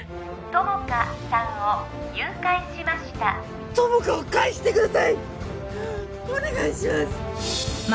友果さんを誘拐しました友果を返してくださいお願いします！